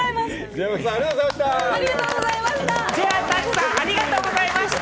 Ｊ．Ｙ．Ｐａｒｋさん、ありがとうございました！